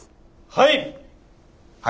はい。